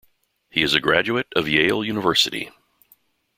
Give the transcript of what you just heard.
He is a graduate of Yale University.